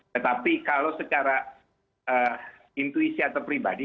tetapi kalau secara intuisi atau pribadi